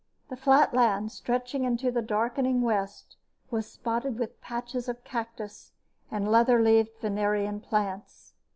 The flat land, stretching into the darkening west, was spotted with patches of cactus and leather leaved Venerian plants.